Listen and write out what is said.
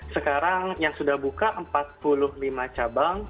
sekarang yang sudah buka empat puluh lima cabang